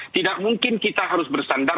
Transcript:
tidak mungkin kita harus bersandar